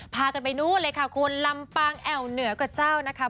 พากันไปนู่นเลยค่ะคุณลำปางแอวเหนือกับเจ้านะคะ